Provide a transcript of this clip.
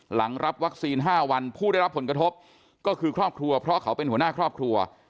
หลังรับวัคซีน๕วันผู้ได้รับผลกระทบก็คือครอบครัวเพราะเขาเป็นหัวหน้าครอบครัว